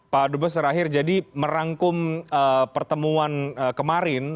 pak dubes terakhir jadi merangkum pertemuan kemarin